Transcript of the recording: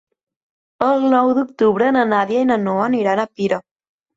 El nou d'octubre na Nàdia i na Noa aniran a Pira.